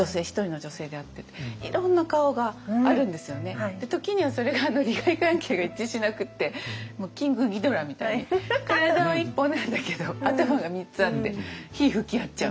自分と時にはそれが利害関係が一致しなくてキングギドラみたいに体は１本なんだけど頭が３つあって火噴き合っちゃうみたいな。